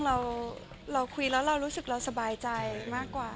เราคุยพอเรารู้สึกแล้วเราสบายใจมากกว่า